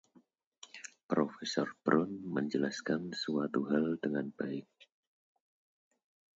Profesor Brown menjelaskan suatu hal dengan baik.